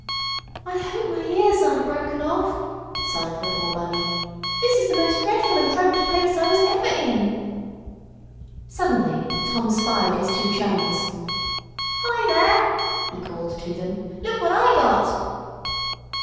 "I hope my ears aren't broken off," sighed the poor Bunny. "This is the most dreadful and cramped place I was ever in." Suddenly Tom spied his two chums. "Hi there!" he called to them. "Look what I got!"